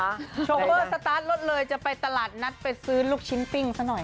โชเฟอร์สตาร์ทรถเลยจะไปตลาดนัดไปซื้อลูกชิ้นปิ้งซะหน่อย